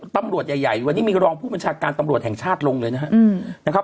ตำรวจใหญ่วันนี้มีรองผู้บัญชาการตำรวจแห่งชาติลงเลยนะครับ